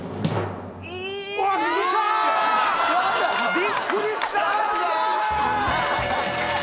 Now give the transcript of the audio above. びっくりした！